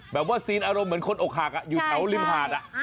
แบบว่าสิ่งอารมณ์เหมือนคนโอกหารอยู่แถวริมหาดอะ